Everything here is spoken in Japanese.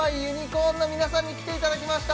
ｃｏｒｎの皆さんに来ていただきました